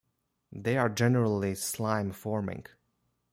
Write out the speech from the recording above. They are generally slime-forming.